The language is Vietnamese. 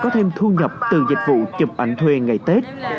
có thêm thu nhập từ dịch vụ chụp ảnh thuê ngày tết